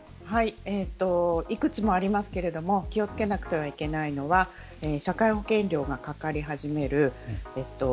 幾つもありますが気を付けなくてはいけないのは社会保険料がかかり始める。